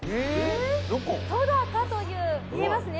どこ？とだかという見えますね？